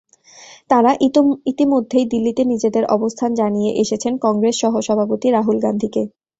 তাঁরা ইতিমধ্যেই দিল্লিতে নিজেদের অবস্থান জানিয়ে এসেছেন কংগ্রেস সহসভাপতি রাহুল গান্ধীকে।